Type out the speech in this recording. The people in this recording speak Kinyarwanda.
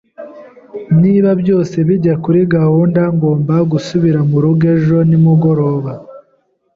Niba byose bijya kuri gahunda, ngomba gusubira murugo ejo nimugoroba.